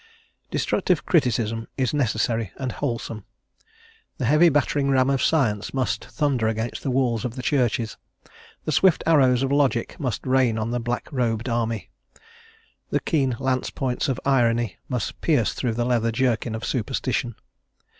Destructive criticism is necessary and wholesome; the heavy battering ram of science must thunder against the walls of the churches; the swift arrows of logic must rain on the black robed army; the keen lance points of irony must pierce through the leather jerkin of superstition.